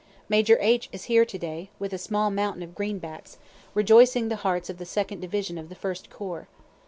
Major H. is here to day, with a small mountain of greenbacks, rejoicing the hearts of the 2d division of the First corps.